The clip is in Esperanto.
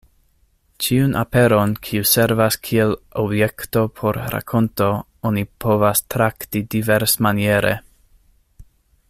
Ĉiun aperon, kiu servas kiel objekto por rakonto, oni povas trakti diversmaniere.